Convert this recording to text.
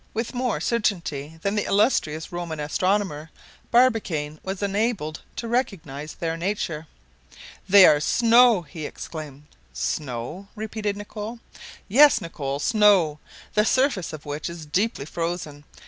With more certainty than the illustrious Roman astronomer, Barbicane was enabled to recognize their nature. "They are snow," he exclaimed. "Snow?" repeated Nicholl. "Yes, Nicholl, snow; the surface of which is deeply frozen.